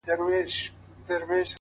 اوس مي د زړه پر تكه سپينه پاڼه ـ